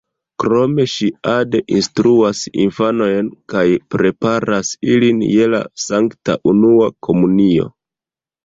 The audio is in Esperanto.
Krome ŝi ade instruas infanojn kaj preparas ilin je la sankta unua komunio.